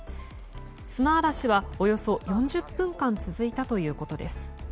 砂嵐は、およそ４０分間続いたということです。